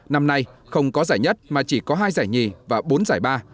năm nay không có giải nhất mà chỉ có hai giải nhì và bốn giải ba